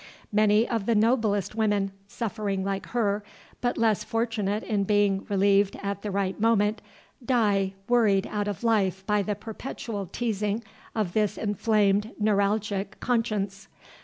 Many of the noblest women, suffering like her, but less fortunate in being relieved at the right moment, die worried out of life by the perpetual teasing of this inflamed, neuralgic conscience.